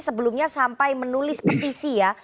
sebelumnya sampai menulis petisi ya